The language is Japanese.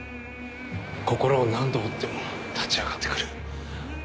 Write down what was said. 心を何度折っても立ち上がって来る。